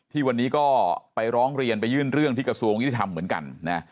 ที่วันนี้ก็ไปร้องเรียนไปยื่นเรื่องที่กระทรวงยุติธรรมเหมือนกันนะ